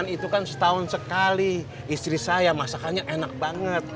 istri saya masakannya enak banget